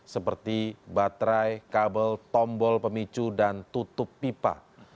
seperti baterai kabel tombol pemicu dan tutup pipa